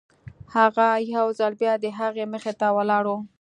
هغه يو ځل بيا د هغه مخې ته ولاړ و.